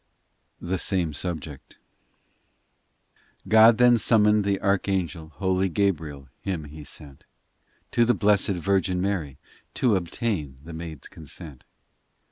THE SAME SUBJECT i GOD then summoned the archangel Holy Gabriel him He sent To the Blessed Virgin Mary To obtain the maid s consent.